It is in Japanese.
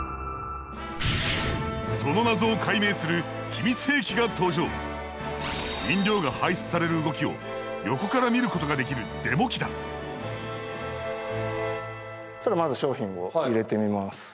その謎を解明する飲料が排出される動きを横から見ることができるまず商品を入れてみます。